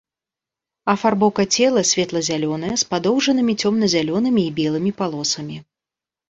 Афарбоўка цела светла-зялёная з падоўжнымі цёмна-зялёнымі і белымі палосамі.